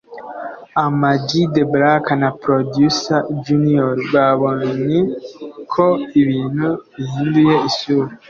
Ama G The Black na Producer Junior babonye ko ibintu bihinduye isura